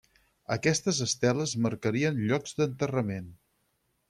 Aquestes esteles marcarien llocs d'enterrament.